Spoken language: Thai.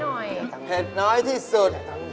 เผ็ดน้อยที่สุดเผ็ดน้อยที่สุด